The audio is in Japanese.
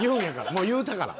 もう言うたから。